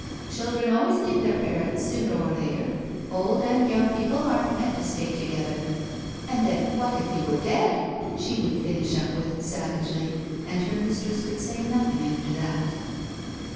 " Children always leave their parents sooner or later ; old and young people aren't meant to stay together. And then, what if he were dead ?" she would finish up with savagely, and her mistress could say nothing after that.